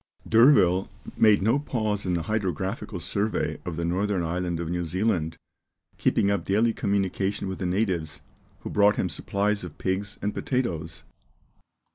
D'Urville made no pause in the hydrographical survey of the northern island of New Zealand, keeping up daily communication with the natives, who brought him supplies of pigs and potatoes.